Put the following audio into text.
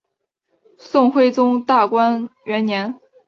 宋徽宗大观元年。